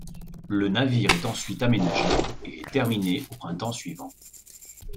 Le navire est ensuite aménagé et est terminé au printemps suivant.